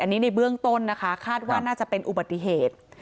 อันนี้ในเบื้องต้นนะคะคาดว่าน่าจะเป็นอุบัติเหตุ